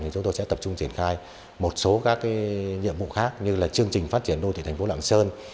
chúng tôi sẽ tập trung triển khai một số các nhiệm vụ khác như là chương trình phát triển đô thị thành phố lạng sơn